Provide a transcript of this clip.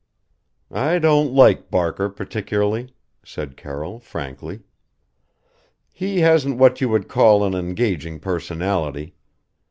"I don't like Barker particularly," said Carroll frankly. "He hasn't what you would call an engaging personality.